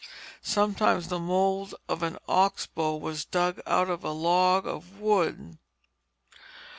Sometimes the mould for an ox bow was dug out of a log of wood.